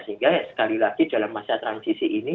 sehingga sekali lagi dalam masa transisi ini